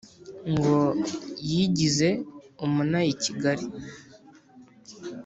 ngo yigize umunayakigali